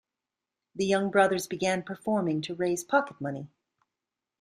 The young brothers began performing to raise pocket money.